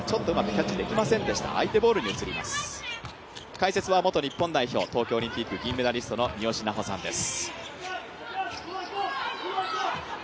解説は元日本代表東京オリンピック銀メダリストの三好南穂さんです。